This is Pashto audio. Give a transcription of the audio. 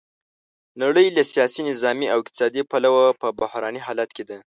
نړۍ له سیاسي، نظامي او اقتصادي پلوه په بحراني حالت کې ده.